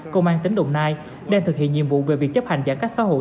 công an tỉnh đồng nai đang thực hiện nhiệm vụ về việc chấp hành giãn cách xã hội